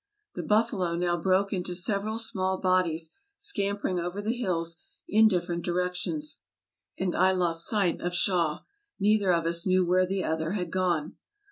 The buffalo now broke into several small bodies, scampering over the hills in different directions, and I lost sight of Shaw; neither of us knew where the other had gone.